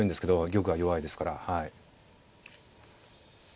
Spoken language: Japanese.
玉が弱いですから。